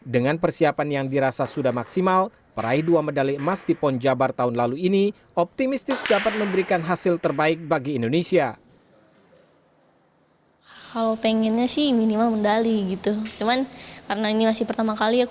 dengan persiapan yang dirasa sudah maksimal peraih dua medali emas di pon jabar tahun lalu ini optimistis dapat memberikan hasil terbaik bagi indonesia